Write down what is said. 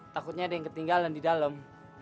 takutnya ada yang ketinggalan di dalam